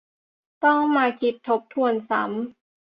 ต้องมาคิดทบทวนซ้ำ